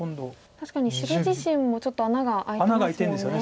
確かに白自身もちょっと穴が空いてますもんね。